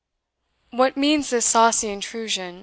"What means this saucy intrusion?"